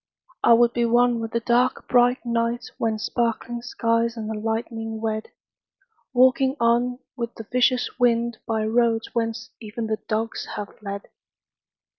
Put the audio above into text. I would be one with the dark bright night When sparkling skies and the lightning wed— Walking on with the vicious wind By roads whence even the dogs have fled.